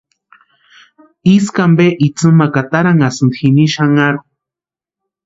Ísku ampe itsïmakwa atarantʼanhasïnti jini xanharhu.